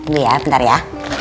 dulu ya bentar ya